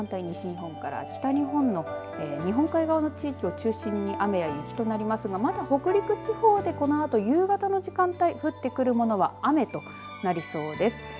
西日本から北日本の日本海側の地域を中心に雨や雪となりますがまだ北陸地方で、このあと夕方の時間帯、降ってくるものは雨となりそうです。